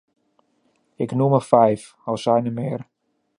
Ik noem er vijf, al zijn er meer.